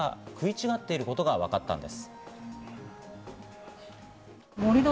説明が食い違っていることがわかったんです。